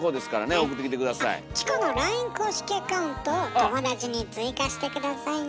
あっチコのＬＩＮＥ公式アカウントを友だちに追加して下さいね。